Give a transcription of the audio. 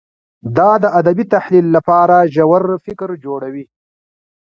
دا د ادبي تحلیل لپاره ژور فکر جوړوي.